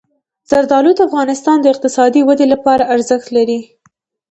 زردالو د افغانستان د اقتصادي ودې لپاره ارزښت لري.